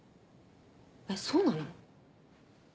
えっそうなの？